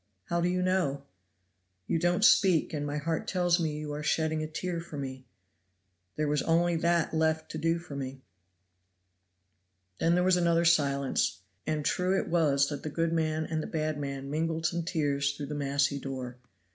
"How do you know?" "You don't speak, and my heart tells me you are shedding a tear for me; there was only that left to do for me." Then there was another silence, and true it was that the good man and the bad man mingled some tears through the massy door.